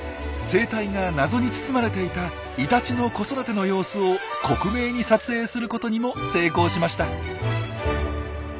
生態が謎に包まれていたイタチの子育ての様子を克明に撮影することにも成功しました。